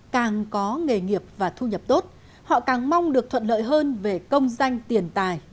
càng có nghề nghiệp và thu nhập tốt họ càng mong được thuận lợi hơn về công dân